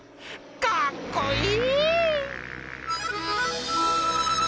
かっこいい！